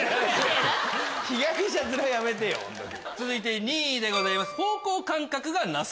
続いて２位。